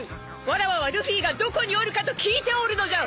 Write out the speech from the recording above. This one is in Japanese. わらわはルフィがどこにおるかと聞いておるのじゃ！